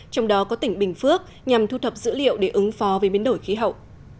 trong đó có tỉnh bình phước nhằm thu thập dữ liệu để ứng phó với biến đổi khí hậu